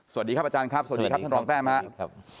สวัสดีครับอาจารย์ครับสวัสดีครับท่านรองแต้มครับ